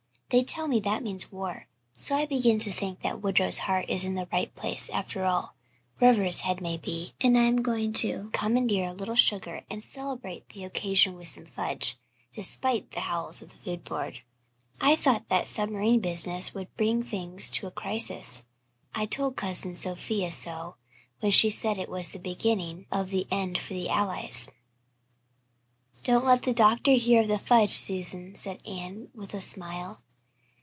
They tell me that means war. So I begin to think that Woodrow's heart is in the right place after all, wherever his head may be, and I am going to commandeer a little sugar and celebrate the occasion with some fudge, despite the howls of the Food Board. I thought that submarine business would bring things to a crisis. I told Cousin Sophia so when she said it was the beginning of the end for the Allies." "Don't let the doctor hear of the fudge, Susan," said Anne, with a smile.